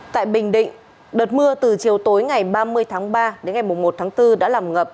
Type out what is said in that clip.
tại bình định đợt mưa từ chiều tối ngày ba mươi tháng ba đến ngày một tháng bốn đã làm ngập